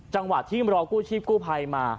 จังหวะที่รอกู้ชีพกู้ภัยมา